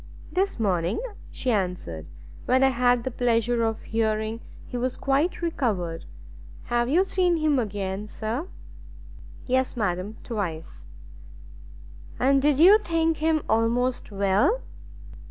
"This morning," she answered, "when I had the pleasure of hearing he was quite recovered. Have you seen him again, sir?" "Yes madam, twice." "And did you think him almost well?"